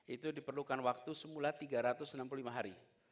itu diperlukan waktu semula tiga ratus enam puluh lima hari